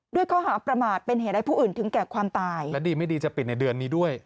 ด้วยข้อหาประมาทเป็นเหตุให้ผู้อื่นถึงแก่ความตายและดีไม่ดีจะปิดในเดือนนี้ด้วย